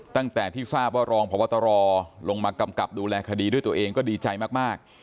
ตั้งแต่ที่ทราบว่ารองพบตรลงมากำกับดูแลคดีด้วยตัวเองก็ดีใจมาก